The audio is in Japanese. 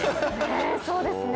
そうですね。